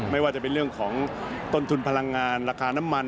ไม่ว่าจะเป็นเรื่องของต้นทุนพลังงานราคาน้ำมัน